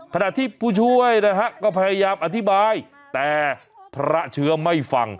ขณะที่ผู้ช่วยนะฮะก็พยายามอธิบายแต่พระเชื้อไม่ฟัง